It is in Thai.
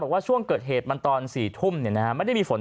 บอกว่าช่วงเกิดเหตุมันตอนสี่ทุ่มเนี่ยนะฮะไม่ได้มีฝน